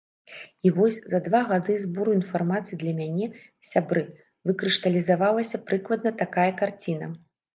І вось за два гады збору інфармацыі для мяне, сябры, выкрышталізавалася прыкладна такая карціна.